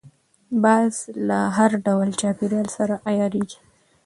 باز له هر ډول چاپېریال سره عیارېږي